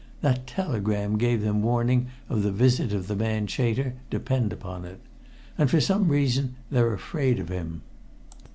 That telegram gave them warning of the visit of the man Chater, depend upon it, and for some reason they're afraid of him.